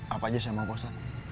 apa saja saya mau pak ustadz